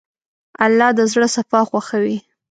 الله د زړه صفا خوښوي.